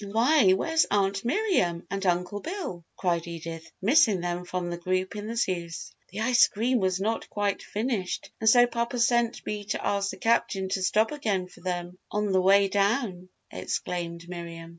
"Why, where's Aunt Miriam and Uncle Bill?" cried Edith, missing them from the group in the Zeus. "The ice cream was not quite finished and so Papa sent to ask the Captain to stop again for them on the way down," explained Miriam.